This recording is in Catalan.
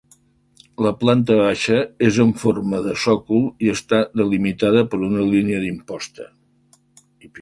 La planta baixa és en forma de sòcol i està delimitada per una línia d'imposta.